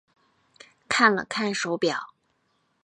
看了看手表